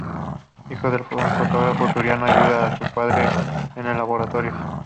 Hijo de un fotógrafo taurino ayuda a su padre en el laboratorio.